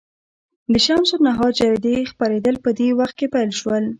د شمس النهار جریدې خپرېدل په دې وخت کې پیل شول.